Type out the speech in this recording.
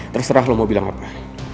terserah lo mau bilang apa